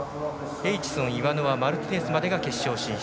エイチソン、イワノワマルティネスまでが決勝進出。